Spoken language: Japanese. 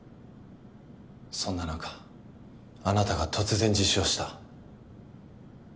そんな中あなたが突然自首をした。